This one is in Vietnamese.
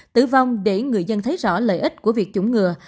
tử vong để người dân thấy rõ lợi ích của việc chủng ngừa